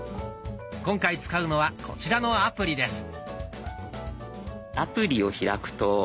今回使うのはこちらのアプリです。